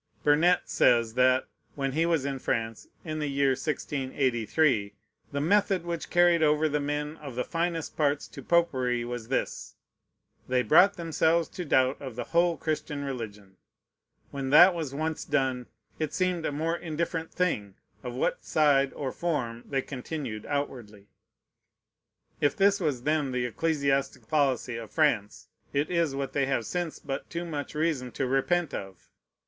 Burnet says, that, when he was in France, in the year 1683, "the method which carried over the men of the finest parts to Popery was this: they brought themselves to doubt of the whole Christian religion: when that was once done, it seemed a more indifferent thing of what side or form they continued outwardly." If this was then the ecclesiastic policy of France, it is what they have since but too much reason to repent of.